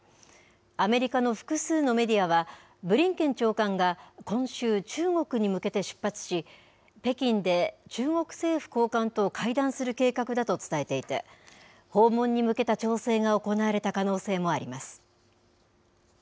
アメリカの複数のメディアは、ブリンケン長官が今週、中国に向けて出発し、北京で中国政府高官と会談する計画だと伝えていて、訪問に向けた調整が行われた可能性もあります。